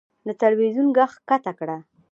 د تلوېزون ږغ کښته کړه .